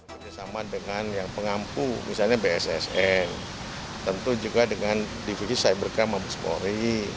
bersama dengan yang pengampu misalnya bssn tentu juga dengan dvc cybercam mabus polri